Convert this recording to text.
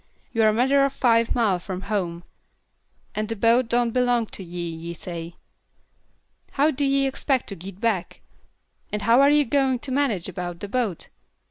You're a matter o' five mile from home, and the boat don't belong to ye, ye say. How do ye expect to git back? And how are ye going to manage about the boat?